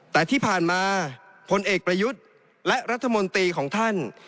แต่ที่ผ่านมาพลเอกประยุทธ์และรัฐมนตรีของท่าน